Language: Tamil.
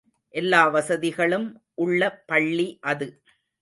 எல்லா வசதிகளும் உள்ள பள்ளி அது.